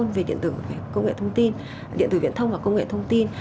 cái môn về điện tử công nghệ thông tin điện tử viện thông và công nghệ thông tin